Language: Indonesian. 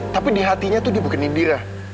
tapi di hatinya tuh dia bukan indira